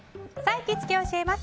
行きつけ教えます！